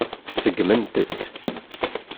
Seggment-tt.